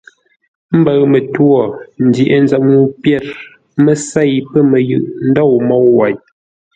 Mbəʉ mətwô, ndyəghʼ-nzəm ŋuu pyêr mə́ sêi pə̂ məyʉʼ ndôu môu wei.